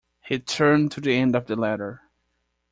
He turned to the end of the letter.